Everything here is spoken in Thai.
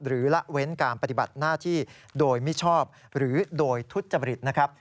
ละเว้นการปฏิบัติหน้าที่โดยมิชอบหรือโดยทุจริตนะครับ